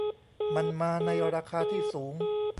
มันมาในราคาที่สูง